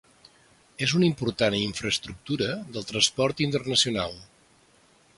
És una important infraestructura del transport internacional.